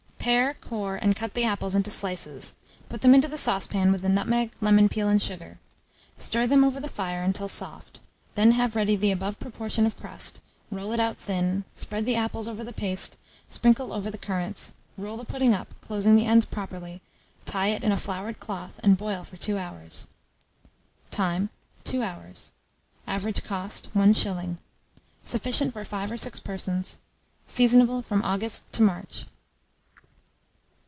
Pare, core, and cut the apples into slices; put them into a saucepan, with the nutmeg, lemon peel, and sugar; stir them over the fire until soft; then have ready the above proportion of crust, roll it out thin, spread the apples over the paste, sprinkle over the currants, roll the pudding up, closing the ends properly, tie it in a floured cloth, and boil for 2 hours. Time. 2 hours. Average cost, 1s. Sufficient for 5 or 6 persons. Seasonable from August to March.